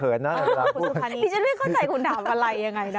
นี่ฉันไม่เข้าใจคุณถามอะไรยังไงนะ